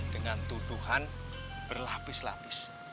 dengan tuduhan berlapis lapis